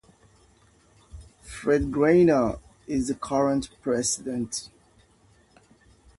Fred Greiner is the current President.